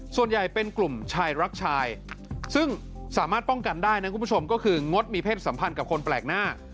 ส่วนใหญ่เป็นกลุ่มชายรักชายซึ่งสามารถป้องกันได้นะคุณผู้ชมก็คืองดมีเพศสัมพันธ์กับคนแปลกหน้า